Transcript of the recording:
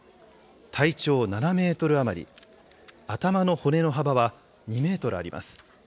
体長７メートル余り、頭の骨の幅は２メートルあります。